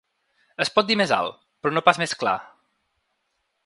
Es pot dir més alt, però no pas més clar.